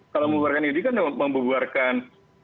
kalau membubarkan idi kan membubarkan